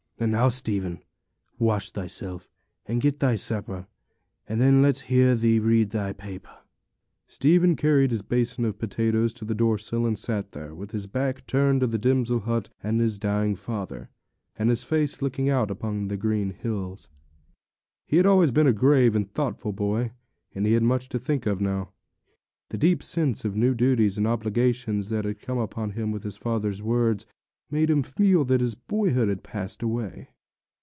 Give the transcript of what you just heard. And now, Stephen, wash thyself, and get thy supper, and then let's hear thee read thy chapter.' Stephen carried his basin of potatoes to the door sill and sat there, with his back turned to the dismal hut and his dying father, and his face looking out upon the green hills. He had always been a grave and thoughtful boy; and he had much to think of now. The deep sense of new duties and obligations that had come upon him with his father's words, made him feel that his boyhood had passed away.